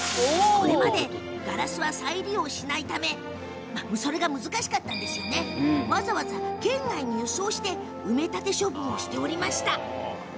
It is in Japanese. これまでガラスは再利用が難しくこれまではわざわざ県外に輸送して埋め立て処分をしておりました。